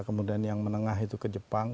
kemudian yang menengah itu ke jepang